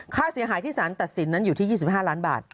ค่าเสียหายที่สารตัดสินนั้นอยู่ที่๒๕ล้านบาท